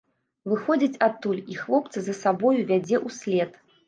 Выходзіць адтуль і хлопца за сабою вядзе ўслед.